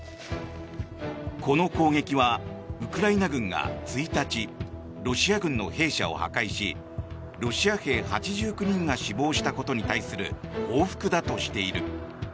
この攻撃はウクライナ軍が１日ロシア軍の兵舎を破壊しロシア兵８９人が死亡したことに対する報復だとしている。